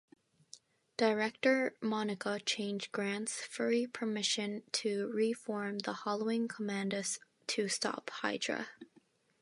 Director Monica Chang grants Fury permission to re-form the Howling Commandos to stop Hydra.